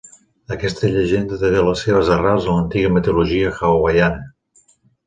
Aquesta llegenda té les seves arrels en l'antiga mitologia hawaiana.